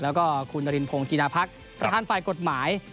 แล้วก็คุณนารินพงศีนาพักประธานฝ่ายกฎหมาย